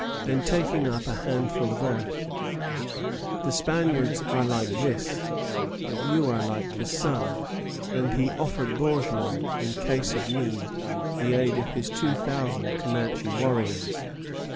Then, taking up a handful of earth, "The Spaniards are like this; but you are like the sun." And he offered Bourgmont, in case of need, the aid of his two thousand Comanche warriors.